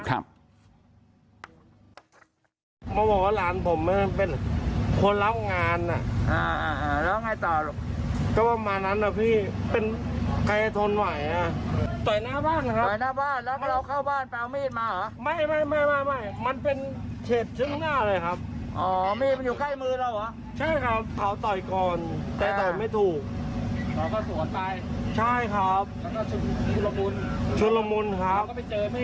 แต่ก็ไม่ถูกใช่ค่ะใช่ครับ